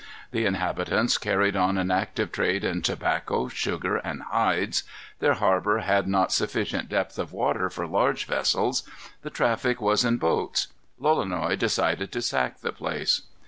The inhabitants carried on an active trade in tobacco, sugar and hides. Their harbor had not sufficient depth of water for large vessels. The traffic was in boats. Lolonois decided to sack the place.